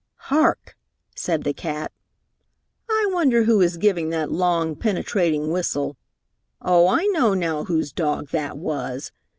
"Hark!" said the cat. "I wonder who is giving that long, penetrating whistle. Oh, I know now whose dog that was!